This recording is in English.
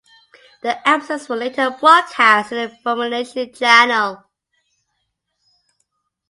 The episodes were later broadcast on the Funimation Channel.